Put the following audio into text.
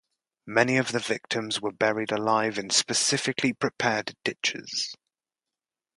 Many of the victims were buried alive in specially prepared ditches.